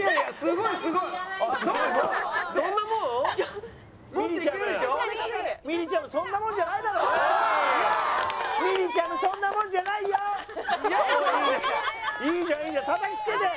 いいじゃんいいじゃんたたきつけて！